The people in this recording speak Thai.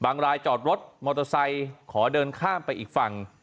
รายจอดรถมอเตอร์ไซค์ขอเดินข้ามไปอีกฝั่ง